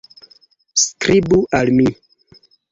Skribu al mi!